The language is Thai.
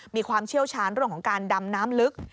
มีความเชี่ยวชาญเรื่องของการดำน้ำลึก